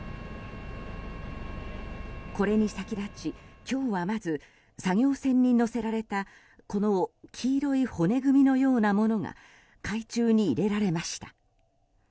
これに先立ち今日はまず作業船に載せられたこの黄色い骨組みのようなものが海中に入れられました。